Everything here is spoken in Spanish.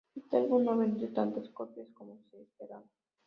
Este álbum no vendió tantas copias como se esperaba.